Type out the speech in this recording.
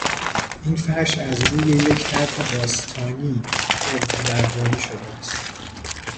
این فرش از روی یک طرح باستانی الگو برداری شده است.